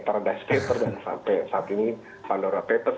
paradise paper dan sampai saat ini pandora papers